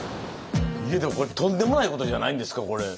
いやでもこれとんでもないことじゃないんですかこれ。